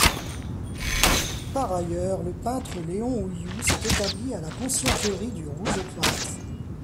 Par ailleurs, le peintre Léon Houyoux s'est établi à la Conciergerie du Rouge-Cloître.